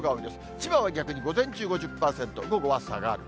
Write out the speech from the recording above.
千葉は逆に午前中５０％、午後は下がる。